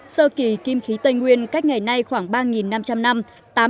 sơ kỳ kim khí tây nguyên cách ngày nay khoảng ba năm trăm linh năm